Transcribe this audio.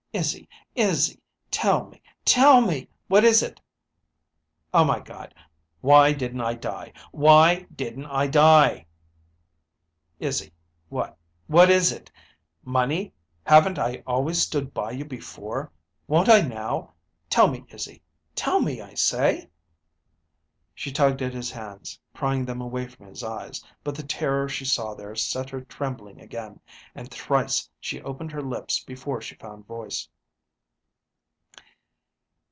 "Izzy! Izzy, tell me tell me! What is it?" "Oh, my God, why didn't I die? Why didn't I die?" "Izzy, what what is it? Money? Haven't I always stood by you before? Won't I now? Tell me, Izzy. Tell me, I say!" She tugged at his hands, prying them away from his eyes; but the terror she saw there set her trembling again and thrice she opened her lips before she found voice.